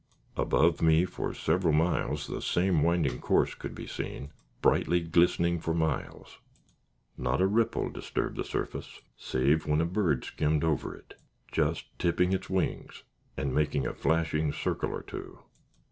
Above me for several miles the same winding course could be seen, brightly glistening for miles. Not a ripple disturbed the surface, save when a bird skimmed over it, just tipping its wings, and making a flashing circle or two.